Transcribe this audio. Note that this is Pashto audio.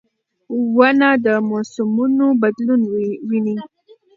ونه د موسمونو بدلون ویني.